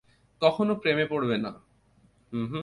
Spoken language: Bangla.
কখনো প্রেমে পড়বে না।